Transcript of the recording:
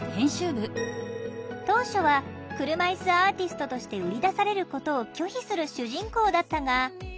当初は“車いすアーティスト”として売り出されることを拒否する主人公だったが。